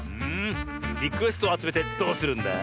リクエストをあつめてどうするんだ？